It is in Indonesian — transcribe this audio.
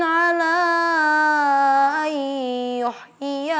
aku mau bekerja